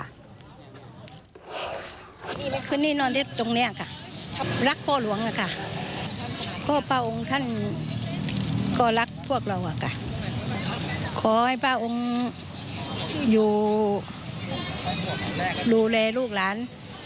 ดูเลลูกร้านอยากกันอยู่ดูเลลูกร้าน